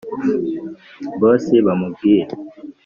boss bamubwire.